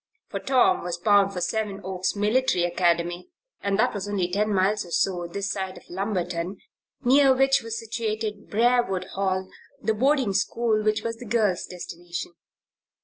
For Tom was bound for Seven Oaks Military Academy, and that was only ten miles, or so, this side of Lumberton, near which was situated Briarwood Hall, the boarding school which was the girls' destination.